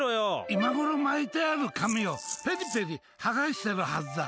今ごろ巻いてある紙をペリペリ剥がしてるはずだ！